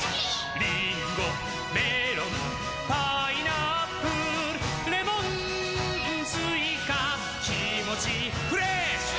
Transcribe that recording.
「リンゴメロンパイナップル」「レモンスイカきもちフレッシュ！